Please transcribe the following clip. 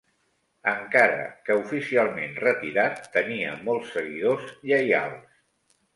Encara que oficialment retirat, tenia molts seguidors lleials.